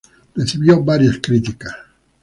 Recibió varias críticas.